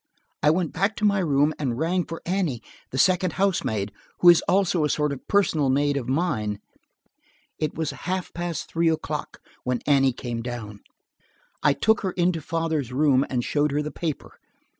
I went back to my room and rang for Annie, the second housemaid, who is also a sort of personal maid of mine. It was half past three o'clock when Annie came down. I took her into father's room and showed her the paper.